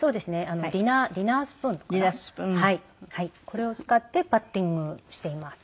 これを使ってパッティングしています。